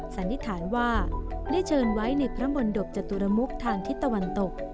สันนิษฐานว่าได้เชิญไว้ในพระมนตบจตุรมุกทางทิศตะวันตก